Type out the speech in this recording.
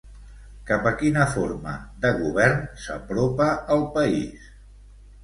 Cap a quina forma de govern s'apropa el país?